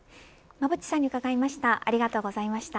馬渕さんに伺いました。